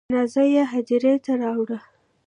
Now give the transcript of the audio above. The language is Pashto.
جنازه یې هدیرې ته راوړه.